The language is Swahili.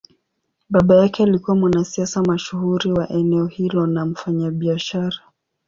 Baba yake alikuwa mwanasiasa mashuhuri wa eneo hilo na mfanyabiashara.